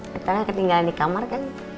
misalnya ketinggalan di kamar kan